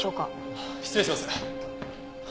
あっ失礼します。